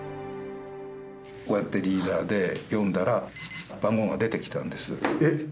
こうやってリーダーで読んだら番号が出てきたんです。